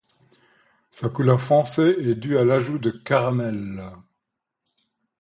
Sa couleur foncée est due à l'ajout de caramel.